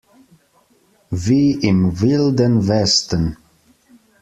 Wie im Wilden Westen!